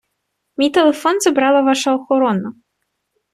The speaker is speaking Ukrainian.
Мій телефон забрала ваша охорона.